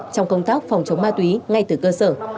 trong công tác phòng chống ma túy ngay từ cơ sở